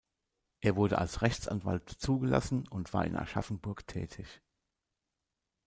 Er wurde als Rechtsanwalt zugelassen und war in Aschaffenburg tätig.